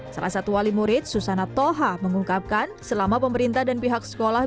salah satu wali murid susana toha mengungkapkan selama pemerintah dan pihak sekolah